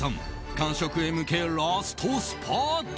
完食へ向けラストスパート。